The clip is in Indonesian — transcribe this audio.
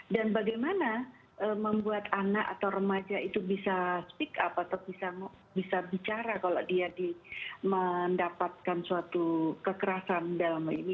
dan bagaimana membuat anak atau remaja itu bisa speak up atau bisa bicara kalau dia mendapatkan suatu kekerasan dalam hal ini